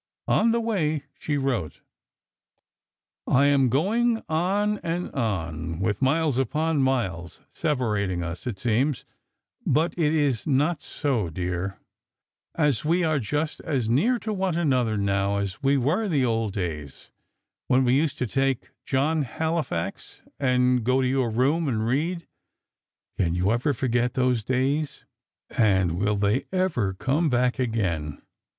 On the way, she wrote: I am going on and on, with miles upon miles separating us, it seems, but it is not so, dear, as we are just as near to one another now as we were in the old days, when we used to take "John Halifax" and go to your room, and read. Can you ever forget those days, and will they ever come back again?